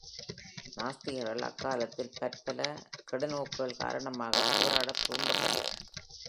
நாத்திகர்கள் அக்காலத்தில் பற்பல கெடுநோக்குகள் காரணமாகப் போராடத் தூண்டப்பட்டனர்.